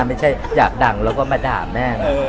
ไม่ใช่อยากดังแล้วก็มาด่าแม่เลย